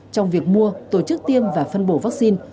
trong việc mua tổ chức tiêm và phân bổ vaccine